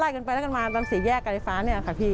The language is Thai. เรียนที่ไหน